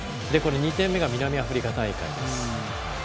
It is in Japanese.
２点目、南アフリカ大会。